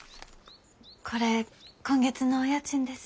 これ今月のお家賃です。